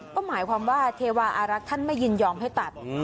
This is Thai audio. ก็หมายความว่าเทวาอารักษ์ท่านไม่ยินยอมให้ตัด